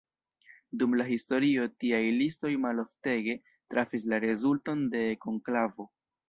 Dum la historio tiaj listoj maloftege trafis la rezulton de konklavo.